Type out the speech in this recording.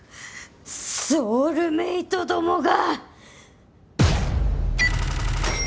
ソウルメートどもが！